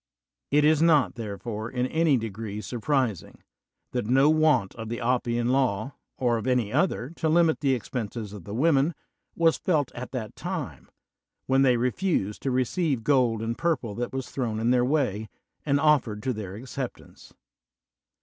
It is not, therefore, in any degree surprising that no want of the Oppian Law, or of any other, to limit the expenses of the women, was felt at that time, when they refused to re ceive gold and purple that was thrown in their way and oflPered to their acceptance.